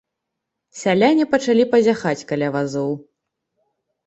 Сяляне пачалі пазяхаць каля вазоў.